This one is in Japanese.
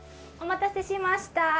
お待たせしました。